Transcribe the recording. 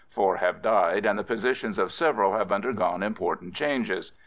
Four have died, and the positions of several have undergone im portant changes.